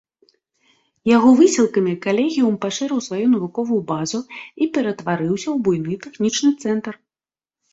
Яго высілкамі калегіум пашырыў сваю навуковую базу і ператварыўся ў буйны тэхнічны цэнтр.